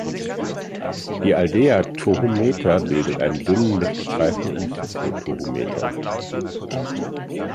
Die Aldeia Tohumeta bildet einen dünnen Mittelstreifen im Suco Tohumeta.